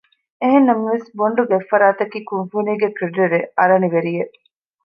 އެހެންނަމަވެސް ބޮންޑު ގަތްފަރާތަކީ ކުންފުނީގެ ކްރެޑިޓަރެއް އަރަނިވެރި އެއް